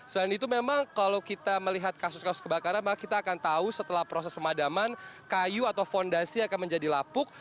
selain itu memang kalau kita melihat kasus kasus kebakaran kita akan tahu setelah proses pemadaman kayu atau fondasi akan menjadi lapuk